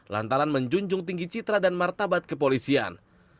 lantaran menjunjung tinggi citra dan martabat kepolisian